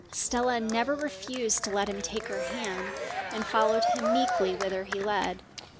Stella never refused to let him take her hand, and followed him meekly whither he led.